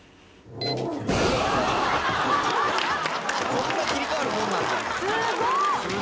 「こんな切り替わるもんなんだ」「すごっ」